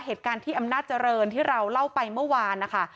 เหตุการณ์ที่อำนาจเจริญที่เราเล่าไปเมื่อวานนะคะ